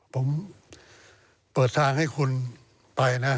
ผมเปิดทางให้คุณไปนะ